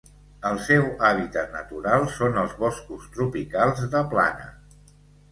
El seu hàbitat natural són els boscos tropicals de plana.